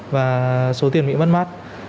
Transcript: và số tiền bị mất mát